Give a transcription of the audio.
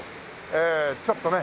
えちょっとね